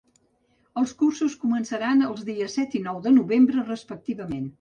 Els cursos començaran els dies set i nou de novembre respectivament.